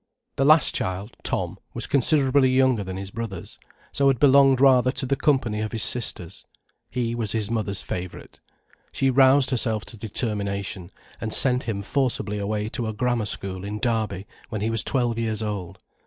The last child, Tom, was considerably younger than his brothers, so had belonged rather to the company of his sisters. He was his mother's favourite. She roused herself to determination, and sent him forcibly away to a grammar school in Derby when he was twelve years old.